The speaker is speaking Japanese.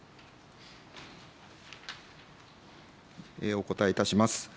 お答えいたします。